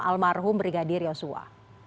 almarhum brigadir yosua